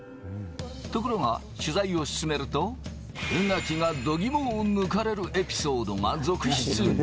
ところが取材を進めると、宇垣が度肝を抜かれるエピソードが続出。